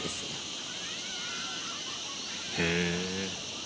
へぇ。